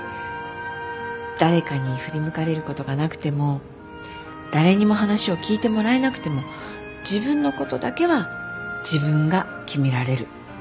誰かに振り向かれることがなくても誰にも話を聞いてもらえなくても自分のことだけは自分が決められる。